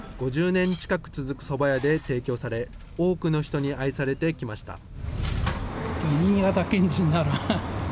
５０年近く続くそば屋で提供され、多くの人に愛されてきました。